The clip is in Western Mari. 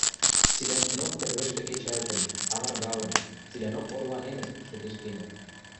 Цилӓштӹнок тӹрвӹштӹ кечӓлтӹн, аваргалын, цилӓнок орланенӹт, шӹдешкенӹт.